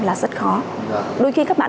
là rất khó đôi khi các bạn